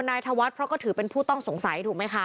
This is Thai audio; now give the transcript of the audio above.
นายทะวัดเพราะถือเป็นผู้ต้องสงสัย